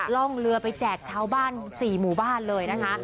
ร่องเรือไปแจกชาวบ้าน๔หมู่บ้านเลยนะคะ